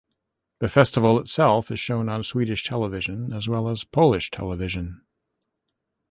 The festival itself is shown on Swedish television as well as Polish television.